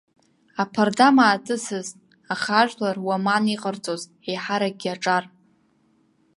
Аԥарда маатыцызт, аха ажәлар уаман иҟарҵоз, еиҳаракгьы аҿар.